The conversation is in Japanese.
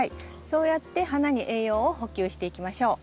そうやって花に栄養を補給していきましょう。